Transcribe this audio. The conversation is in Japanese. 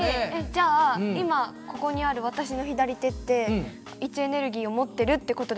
じゃあ今ここにある私の左手って位置エネルギーを持ってるって事ですか？